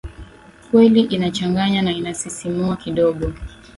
kweli inachanganya na inasisimua kidogo